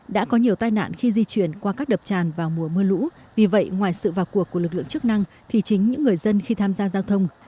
đã có nhiều tai nạn khi di chuyển qua các đập tràn vào mùa mưa lũ vì vậy ngoài sự vào cuộc của lực lượng chức năng thì chính những người dân khi tham gia giao thông